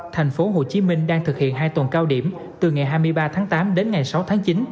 thành phố hồ chí minh đang thực hiện hai tuần cao điểm từ ngày hai mươi ba tháng tám đến ngày sáu tháng chín